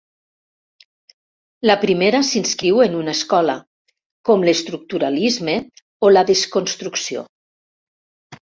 La primera s'inscriu en una escola, com l'estructuralisme o la desconstrucció.